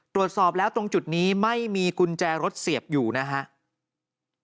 ตรวจสอบแล้วตรงจุดนี้ไม่มีกุญแจรถเสียบอยู่นะครับ